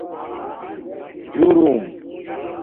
جُرم